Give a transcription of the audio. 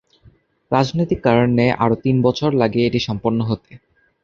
রাজনৈতিক কারণে আরও তিন বছর লাগে এটি সম্পন্ন হতে।